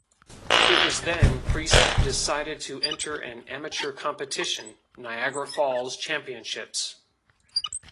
It was then Priest decided to enter an amateur competition, Niagara Falls Championships.